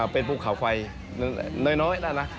เป็นปลูกขาวไฟน้อยน่ารัก